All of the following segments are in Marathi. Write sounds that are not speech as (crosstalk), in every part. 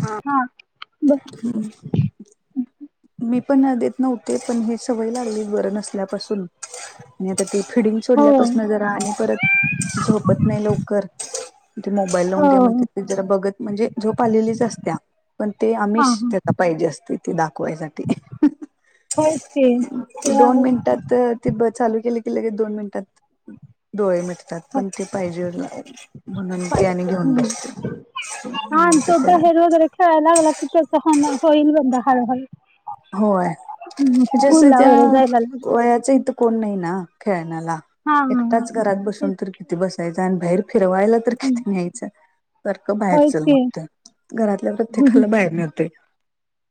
हां हा ब- ही मी पणं देतं नव्हते पणं हे सवयं लागली बरं नसल्यांपासून मंग खडी हो चूरण्यां पासूंन जरां रांह आणि परंत झोपतं नाहीं लवकरं ते मोबाईल लावूंन हो दे म्हणतां जरां बघतं म्हणजे झोप आलेलीच असत्यां पणं ते हा आमिष हा त्यांला पाहिजे असते ते दाखवायचं होय ते ते आहे दोन हो. मिनिटांत तं ते बसं चालूं केली की लगेच दोन मिनिटांत डोळे मिटतांत त्यांत पणं ते पाहिजे म्हणूंन ते आणि घेऊंन बसते रात्र दूपेहेर कायं अलंग अलगचंचा होईल बंता हारं हरं होयच्यांस स्कूलला वगैरे त्यां जायला लागले वयांच इथं कोणं नाहीं नां खेळण्याला हा एकटांच घरांत बसूंन तेच तरं किती बसायचं आणि बाहेर फिरवांयला हं. किती न्यायचं सारखं होय बाहेरचल की मंगत घरातल्यां प्रत्येकांला बाहेर नव्हते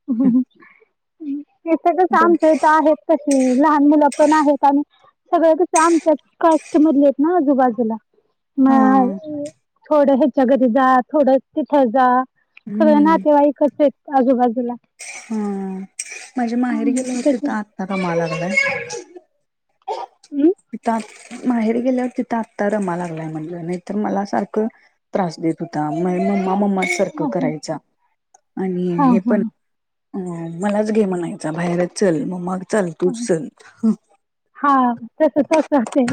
ह ते सळच बघ आमच्या इथ आहेत तशी लहान मुलं पण आहेत आणि सगळ आमच्या कास्ट मधली आहेत ना आजूबाजूला म हा थोड ह्याच्या घरी जा थोड तिथ जा सगळं हम्म नातेवाईक कस आजूबाजूला हा माझ्या माहेर हम्म गेले होतीि त्याच्या तर आ त का म लागलय प माहेर गेल्यावर तिथं आत्ता रमा लागलाय म्हटलं नाही तरर मला सारखं त्रास देत होता म मम्मा मम्मा सारखं हा हा करायचा आणि हा हे हा पण मलाच घे म्हणायचा बाहेर चल मम्मा चाल हा तूच चल हा तस तस ते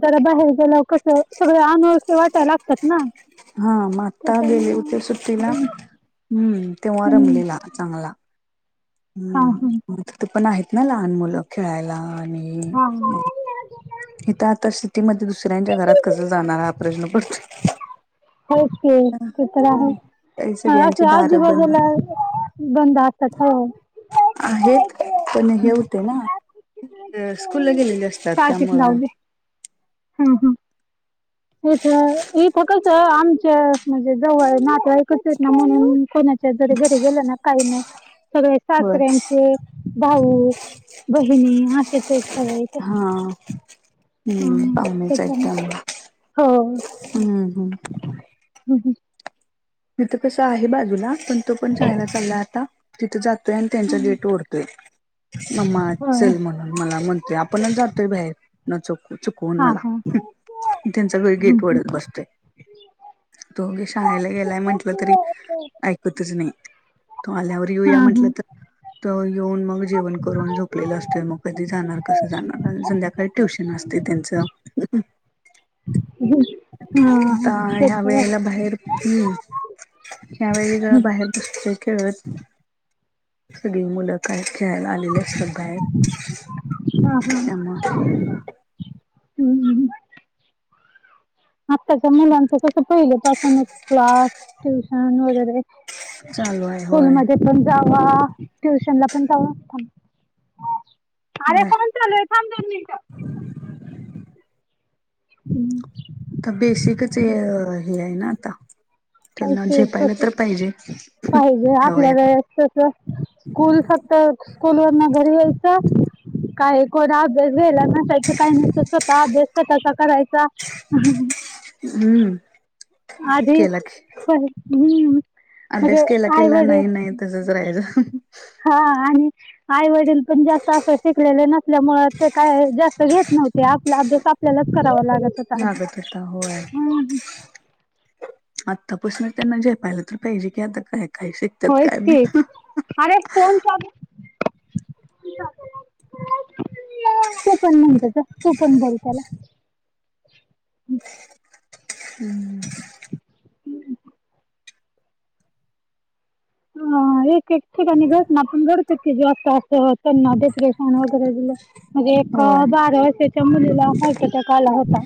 जरा बाहेर गेलं कस सगळ अनोळखे वाटायला लागतात ना हा म आता बेले होते त्याच्यामुळे सुट्टीला हम्म तेव्हा हम्म रमलेला चांगला हा हम्म हा मग ति ते पण आहेत ना लहान मुलं खेळायला आणि हा मग इथं आता सिटीमध्येध्ये दुसऱ्यांच्या घरात कस जाणारा हा प्रश्न पडतो हो ते तर आहे काही हा सगळ्यांची असं दारं बंद आजूबाजूला बंद असतात हो आहेत पण हे होते ना स्कूलला गेलेले असते टाकीत लावले हम् हम् इथ इ फकस आमच्या म्हणजे जवळ आहे ना ना म्हणून कोणाच्या जरी घरी गेलं ना काही नाही सगळ होय सासऱ्यांचे भाऊ बहिणी असेच आहेत सगळे ह हम्म हं पामचत त्याच्यामुळे हो हम्म हम् ह ह हीथ कसं आहे बाजूला पण तो पण शाळेला चालला आता तिथं जातोय आणि त्यांचा हं. गेट ओढतोय मम्मा होय चल म्हण मला म्हणतेय आपणच जातोय बाहेर न चुक चुकवून हां मला हां त्यांचा काही हं, गेट हं. वडत बसतंय तोे शाळेला गेलाय म्हंटलं तरी ऐकतच नाही तो आल्यावर येऊया हां म्हंटल हां तर तवर येऊन मग जेवण करून झोप आपले असतो मग कधी जाणार कसं जाणार संध्याकाळी ट्युशन असते त्यांचं आता हां ते ह्या तर आहे वेळेला बाहेर हम्म त्यावेळी जरा हं. बाहेर बसत खेळत सगळी मुलं काय खेळायला आली निलेश पण बाहेर त्यामुळे हम्म आत्ताच्या मुलांचं तस पहिले पासूनच क्लास ट्युशन वगैरे चालू आहे स्कूल होय मध्ये पण जावा ट्युशन ला पण जाव अरे होय फोन चालू आहे थांब दोन मिनिट हम्म तर बेसिकच हे हे आहे ना आता त्यांना ते झेपायला तस तर पाहिजे पाहिजे ह्या आपल्या वयात वेळेस स्कूल फक्त स्कूल वरन घरी यायचं काय कोण अभ्यास घ्यायला नसायच काही नाहीत स्वतः अभ्यास तसा करायचा. हम. हम्म. आधी केला की कंटिन्यूज. अभ्यास केला केला नाही नाही त्याचं जरा हेज. हा आणि. आई वडील पण जास्त असं शिकलेले नसल्यामुळे असे काय जास्त घेत नव्हते आपल्या अभ्यास आपण. आपल्यालाच करावं लागत. होता आधी लागत होता होय. हम्म आत्तापसून त्यांना जेपायला तर पाहिजे की आता काय काही शिक''--'' होयच की अरे कोण (unintelligible) तू पण म्हणतच तू पण बोल त्याला. हम्म. ह एक एक ठिकाणी घटना पण घडतो की जॉबच असं होत डिप्रेशन वगैरे दिलं. म्हणजे एक होय बारा वर्षाच्या मुलीला हार्ट अटॅक आला होता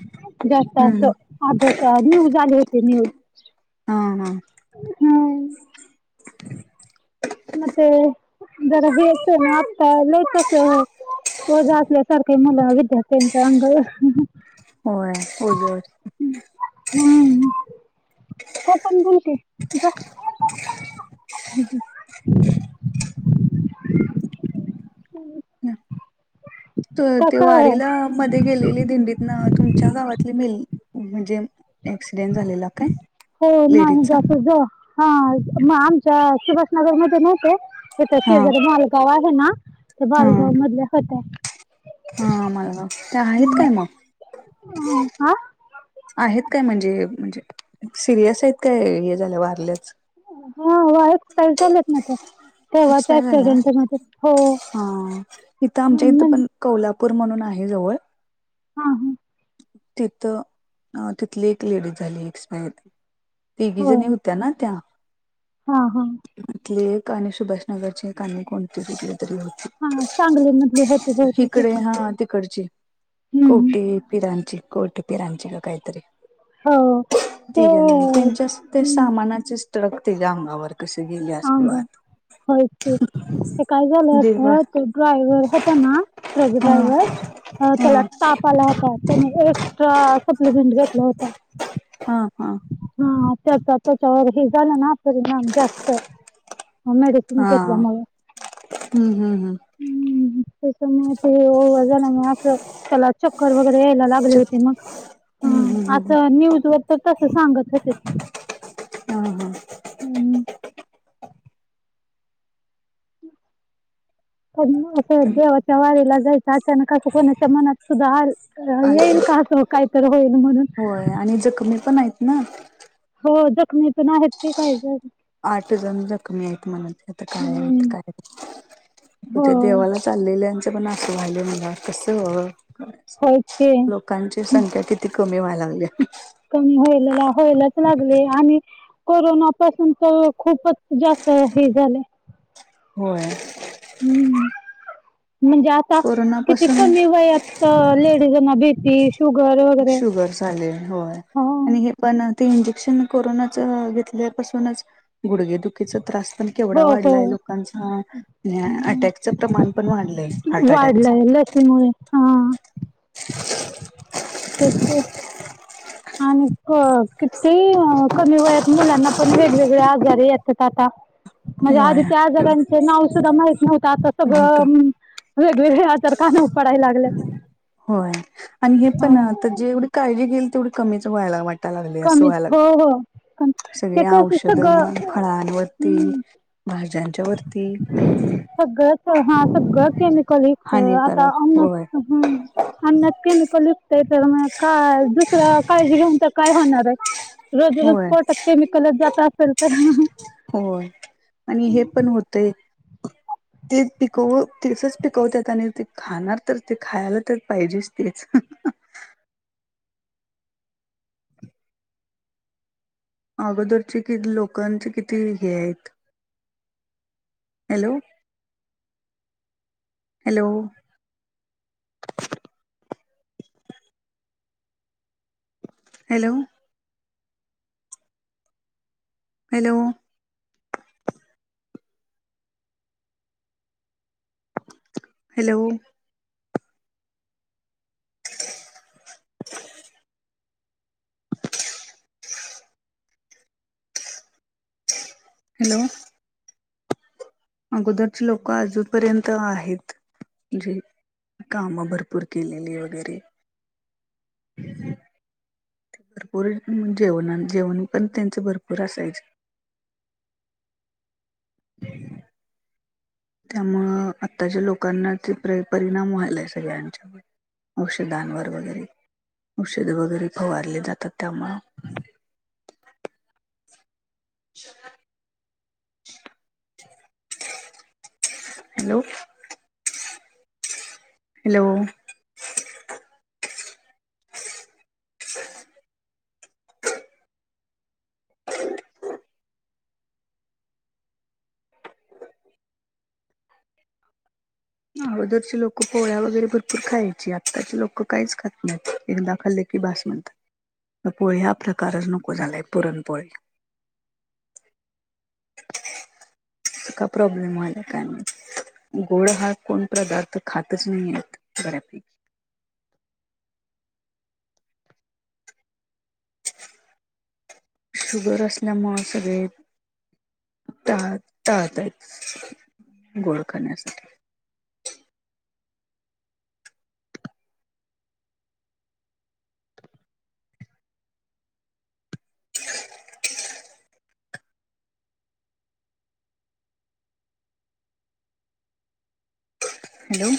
जास्त अस. हम्म अभ्यास न्यूज आले होते न्यूज. हा हा, हम्म. म ते जरा हे ते ना आता लई कसं. वज असल्यासारख मुलं विद्यार्थ्यांच्या अंगावर. होय उलट. हम्म. हो पण बुोलते. ह (inaudible) तर ते वारीला मध्ये गेलेली दिंडीतना तुमच्या गावातली मेल म्हणजे. ऍक्सिडेंट झालेला काय. हो नाही लेडीजचा जात ज हा मग आमच्या सुभाषनगरमध्ये माहिते हाय. हा शेजारी मालगाव आहे ना तर हा मालगाव मधल्या होत्या. हा मालगाव त्या आहेत काय मग. हो आ, आहेत काय म्हणजे म्हणजे सिरियस आहेत काय हे झालं वारल्यात. हा वा (unintelligible) एकाल चालेत ना ते तेव्हाच एक्सपायर झाल्या ऍक्सिडेंट मध्ये हो. हा अ, इथं आमच्या हम्म, इथ म्हणजे पण कोल्हापूर म्हणून आहे जवळ. हा हा, तिथ अ तिथली एक लेडीज झाली एक्सपायर. तीगी होय जणी होत्या ना त्या. हा हा, इथले एक आणि सुभाष नगरचे कोणते कुठली तरी होती. हा सांगली मधली होती बहुतेक इिकडे एक हा तिकडची हम्म कवठे. फिराची कवठे फिरांची का कायत तरी. हो ते तघ त्यांच्या ते हम्म सामानाचेच ट्रक ते अंगावर कसे गेल्या. गॅस अंग पुरवात. होयच की. ते काय झालं दीर्घ होत. तो ड्रायव्हर होता ना ट्रक हा ड्रायव्हर हा त्याला ताप आला होता. त्याने ते एक्स्ट्रा सप्लिमेंट घेतला होता. हा हा. हा त्याचा त्याच्यावर हे झालं ना. परिणाम जास्त ह मेडिसिन हा घेतल्यामुळे हम्म हम्म हम्म हम् त्याच्यामुळे ते होऊन झालं ना असं. त्याला चक्कर वगैरे यायला लागले च होते. हम्म मग अस हम्म न्यूज वर तस सांगत होते ते. हम् हम. हम्म. पण असं देवाच्या वारीेला जायचं. अचानकं कोणाच्या मनात सुद्धा आल येईल आलं का असं, काहीतर होईल म्हणून, आणि जखमी पण आहेत ना. हो, जखमी पण आहेत की काय जण. आठ जण जखमी आहेत म्हणत होते. आता काय होतंय हम्म काय माहित हो त्या देवालाच चाललेल्यांचं पण असं व्हायले म्हटल्यावर कसं? होयच की लोकांची संख्या किती कमी व्हाय लागल्या. कमी व्हायला होयलाच लागले आणि कोरोना पासून तर खूपच जास्त हे झाल. होय. हम्म म्हणजे आता किती कोरोनापासून कमी वयात लेडीजांना बीपी शुगर वगैरे शुगर झाले होय ह आणि हे पण ते इंजेक्शन कोरोनाच घेतल्यापासूनच गुडगे दुखीचा त्रास पण हो केवढा हो वाढलाय लोकांचा अटॅकचं प्रमाण पण वाढलंय हार्ट अटॅकच. वाढलाय लसीमुळे हा. तेच की. आणि क किती कमी वयात मुलांना पण वेगवेगळे आजार येतात आता. म्हणजे होय आधी त्या आजारांच नाव सुद्धा माहित नव्हत. आता नव्हतं सगळं वेगवेगळे आजार कानावर पडायला लागलेत. होय आणि हे पण आता जेवढे काळजी घेईल तेवढी कमीच व्हायला वाटायला लागले असं कमीच व्हायला हो हो कम- लागलंय. ते सगळे कस सगळं औषधं फळांवरती हम्म भाज्यांच्या वरती सगळंच हा सगळं केमिकलयुक्त आता हानिकारक ह होय अन्नात केमिकल विकत तर मग का दुसर काळजी घेऊन तरी काय होणार आहे. रोज रोज होय पोटात केमिकलच जात असेल तर, होय आणि हे पण होतय. ते पिकव तसच पिकवतात आणि ते. खाणार तर ते खायला तर पाहिजेच तेच. अगोदरचे किती लोकांचे किती हे आहेत. Hello, hello, hello, hello, hello, (unintelligible) hello. अगोदरची लोक अजूनपर्यंत आहेत जे काम भरपूर केलेली वगैरे ते भरपूर जेवण अन जेवण पण त्यांचे भरपूर असायचे त्यामुळं आत्ताच्या लोकांना ते परी परिणाम व्हायलाय सगळ्यांच्यावर औषधांवर वगैरे. औषध वगैरे फवारले जातात त्यामुळं हॅलो. हॅलो. ह हा, अगोदरची लोक पोळ्या वगैरे भरपूर खायची आत्ताची लोक काहीच खात नाहीत एकदा खाल्ले की बास म्हणतात. आता पोळी हा प्रकारच नको झालाय पुरणपोळी का प्रॉब्लेम व्हायलाय काय माहिती, गोड हा कोण पदार्थ खातच नाही आहेत बऱ्यापैकी शुगर असल्यामुळे सगळे टाळताहेत गोड खाण्यासाठी हॅलो.